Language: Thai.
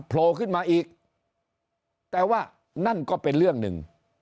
โผล่ขึ้นมาอีกแต่ว่านั่นก็เป็นเรื่องหนึ่ง